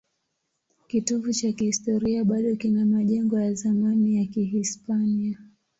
Kitovu cha kihistoria bado kina majengo ya zamani ya Kihispania.